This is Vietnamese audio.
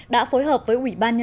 đã phối hợp với ubnd